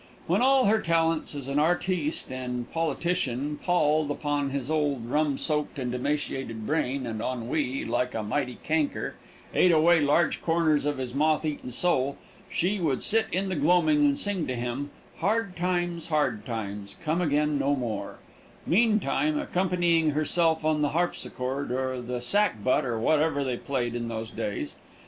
When all her talents as an artiste and politician palled upon his old rum soaked and emaciated brain, and ennui, like a mighty canker, ate away large corners of his moth eaten soul, she would sit in the gloaming and sing to him, "Hard Times, Hard Times, Come Again No More," meantime accompanying herself on the harpsichord or the sackbut or whatever they played in those days.